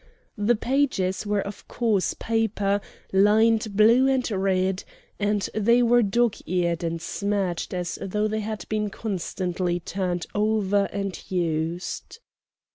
The pages were of coarse paper, lined blue and red, and they were dog eared and smirched as though they had been constantly turned over and used.